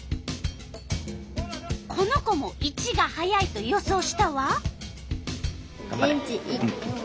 この子も①が速いと予想したわ。